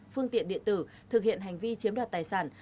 phương tiện điện tử thực hiện hành vi chiếm đoạt tài sản